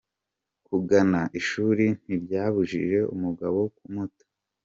Kugana ishuri ntibyabujije umugabo kumuta